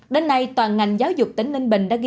đến nay toàn ngành giáo dục tỉnh ninh bình đã ghi